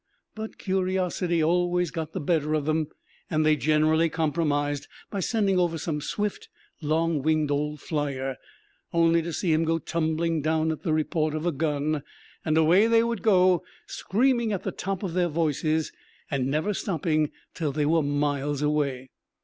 But curiosity always got the better of them, and they generally compromised by sending over some swift, long winged old flier, only to see him go tumbling down at the report of a gun; and away they would go, screaming at the top of their voices, and never stopping till they were miles away.